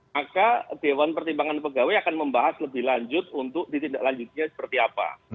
maka dewan pertimbangan pegawai akan membahas lebih lanjut untuk ditindaklanjutinya seperti apa